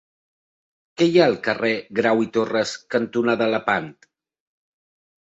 Què hi ha al carrer Grau i Torras cantonada Lepant?